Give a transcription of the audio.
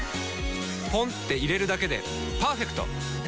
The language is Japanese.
ポンって入れるだけでパーフェクト！